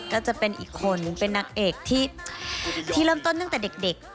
ก็จะเป็นอีกคนเป็นนางเอกที่เริ่มต้นตั้งแต่เด็ก